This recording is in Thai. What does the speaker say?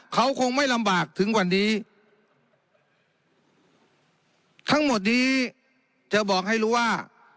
เขาคงไม่ลำบากถึงวันนี้ทั้งหมดนี้จะบอกให้รู้ว่า